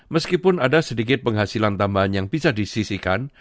meskipun ada sedikit penghasilan tambahan yang bisa disisikan